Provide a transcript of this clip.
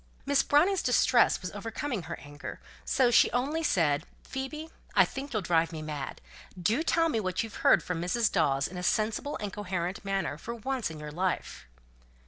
Miss Browning's distress was overcoming her anger; so she only said, "Phoebe, I think you'll drive me mad. Do tell me what you heard from Mrs. Dawes in a sensible and coherent manner, for once in your life."